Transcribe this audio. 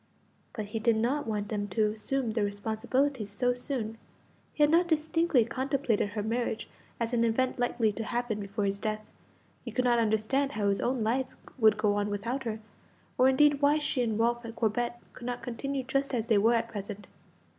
But he did not want them to assume their responsibilities so soon. He had not distinctly contemplated her marriage as an event likely to happen before his death. He could not understand how his own life would go on without her: or indeed why she and Ralph Corbet could not continue just as they were at present.